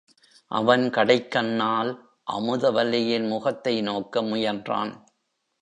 அவன் கடைக்கண்ணால் அமுதவல்லியின் முகத்தை நோக்க முயன்றான்.